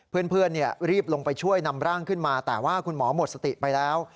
เพื่อนรีบลงไปช่วยนำร่างขึ้นมาแต่ว่าคุณหมอหมดสติไปแล้ว